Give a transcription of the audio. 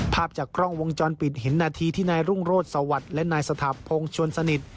ภาพจากกล้องวงจรปิดเห็นนาทีที่นายรุ่งโรธสวัสดิ์และนายสถาพงศ์ชวนสนิท